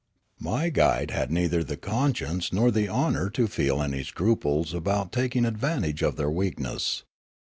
My guide had neither the conscience nor the honour to feel any scruples about taking advantage of their weakness.